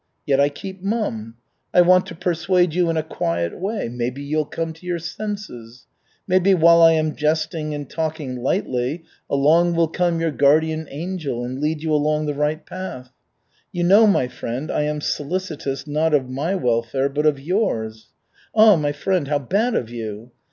Yet I keep mum. I want to persuade you in a quiet way, maybe you'll come to your senses. Maybe while I am jesting and talking lightly, along will come your guardian angel and lead you along the right path. You know, my friend, I am solicitous not of my welfare, but of yours. Ah, my friend, how bad of you!